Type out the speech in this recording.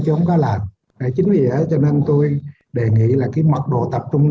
chứ không có lệnh chính vì vậy cho nên tôi đề nghị là cái mật độ tập trung